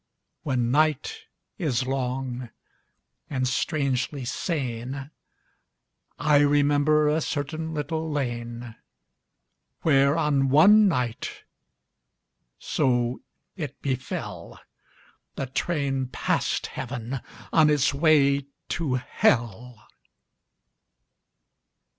When night is long And strangely sane, I remember A certain little lane. Where, on one night — So it befell — The train passed heaven On its way to hell.